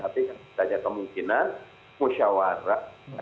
tapi hanya kemungkinan usyawara